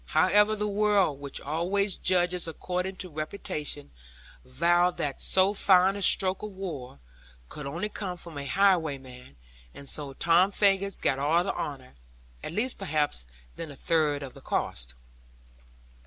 However, the world, which always judges according to reputation, vowed that so fine a stroke of war could only come from a highwayman; and so Tom Faggus got all the honour, at less perhaps than a third of the cost.